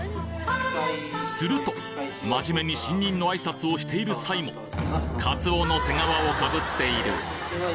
すると、真面目に新任のあいさつをしている際も、カツオの背皮をかぶっている。